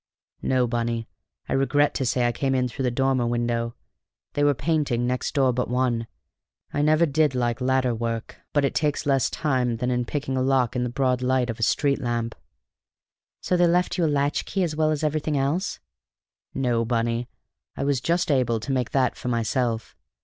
"No, Bunny, I regret to say I came in through the dormer window. They were painting next door but one. I never did like ladder work, but it takes less time than in picking a lock in the broad light of a street lamp." "So they left you a latch key as well as everything else!" "No, Bunny. I was just able to make that for myself.